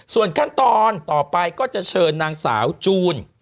ส่วนขั้นตอนต่อไปก็จะเชิญนางสาวจูน